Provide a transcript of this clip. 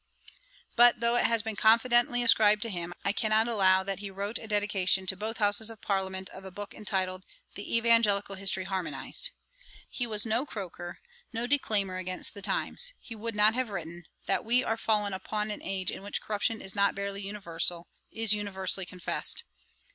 But, though it has been confidently ascribed to him, I cannot allow that he wrote a Dedication to both Houses of Parliament of a book entitled The Evangelical History Harmonized. He was no croaker; no declaimer against the times. [See ante, ii. 357.] He would not have written, 'That we are fallen upon an age in which corruption is not barely universal, is universally confessed.'